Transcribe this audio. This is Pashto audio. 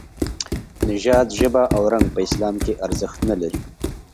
نژاد، ژبه او رنګ په اسلام کې ارزښت نه لري.